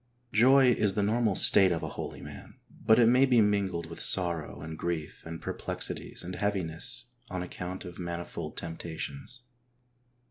Joy is the normal state of a holy man, but it may be mingled with sorrow and grief and perplexities and heaviness on account of manifold temptations.